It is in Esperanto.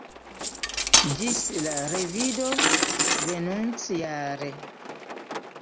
Ĝis la revido venontjare!